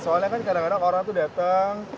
soalnya kan kadang kadang orang tuh datang